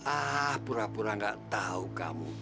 ah pura pura gak tahu kamu